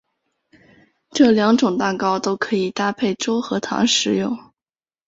这两种蛋糕都可以搭配粥和糖食用。